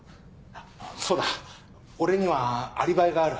そうだ俺にはアリバイがある。